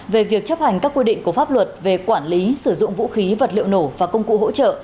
về việc chấp hành các quy định của pháp luật về quản lý sử dụng vũ khí vật liệu nổ và công cụ hỗ trợ